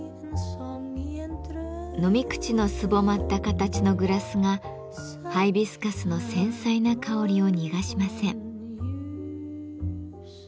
飲み口のすぼまった形のグラスがハイビスカスの繊細な香りを逃がしません。